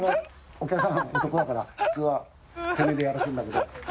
お客さん男だから當未テメェでやらせるんだけど。